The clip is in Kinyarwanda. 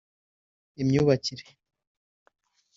imyubakire